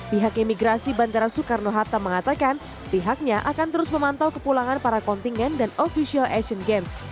pihak imigrasi bandara soekarno hatta mengatakan pihaknya akan terus memantau kepulangan para kontingen dan ofisial asian games